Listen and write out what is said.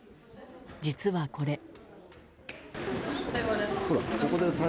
実は、これ。